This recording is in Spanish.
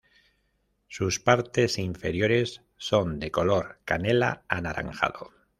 Sus partes inferiores son de color canela anaranjado.